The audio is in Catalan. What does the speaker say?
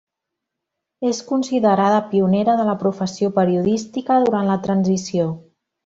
És considerada pionera de la professió periodística durant la transició.